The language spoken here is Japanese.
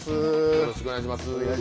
よろしくお願いします。